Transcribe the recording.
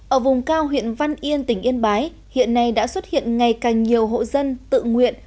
ở vùng cao huyện văn yên tỉnh yên bái hiện nay đã xuất hiện ngày càng nhiều hộ dân tự nguyện